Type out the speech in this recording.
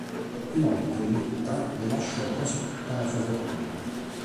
Inoltre, Litta le lasciò quasi tutta la sua fortuna.